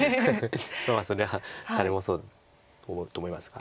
それは誰もそう思うと思いますが。